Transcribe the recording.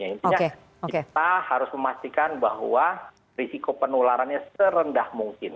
intinya kita harus memastikan bahwa risiko penularannya serendah mungkin